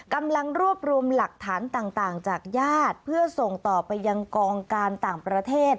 กำลังรวบรวมหลักฐานต่างจากญาติเพื่อส่งต่อไปยังกองการต่างประเทศ